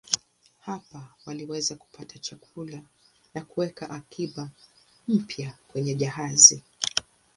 Hapa waliweza kupata chakula na kuweka akiba mpya kwenye jahazi.